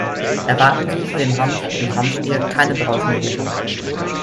Erwarten Sie von dem Hanf im Hanfbier keine berauschende Wirkung.